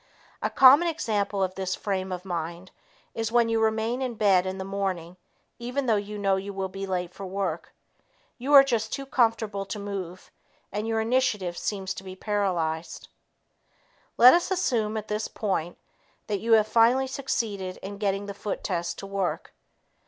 A common example of this frame of mind is when you remain in bed in the morning even though you know you will be late to work. You are just too comfortable to move, and your initiative seems paralyzed. Let us assume, at this point, that you have finally succeeded in getting the foot test to work.